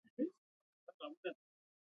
انار د افغانانو د اړتیاوو د پوره کولو وسیله ده.